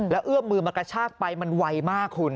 แล้วเอื้อมมือมากระชากไปมันไวมากคุณ